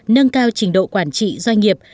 nâng cao trình độ quản trị doanh nghiệp